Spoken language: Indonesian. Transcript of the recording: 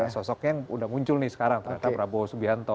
sosoknya yang sudah muncul nih sekarang ternyata prabowo subianto